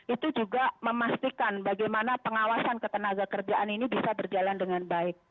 itu juga memastikan bagaimana pengawasan ketenaga kerjaan ini bisa berjalan dengan baik